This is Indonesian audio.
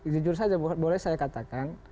jujur saja boleh saya katakan